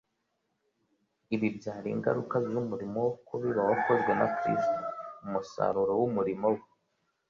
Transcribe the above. Ibi byari ingaruka z’umurimo wo kubiba wakozwe na Kristo, umusaruro w’umurimo we.